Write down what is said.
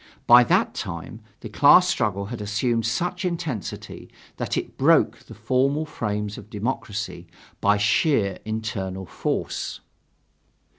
By that time the class struggle had assumed such intensity that it broke the formal frames of democracy by sheer internal force.